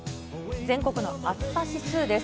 全国の暑さ指数です。